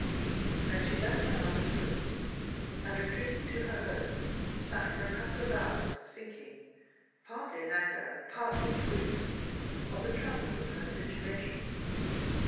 Then she left her mother's room, and, retreating to her own, sat for a couple of hours thinking, partly in anger and partly in grief, of the troubles of her situation.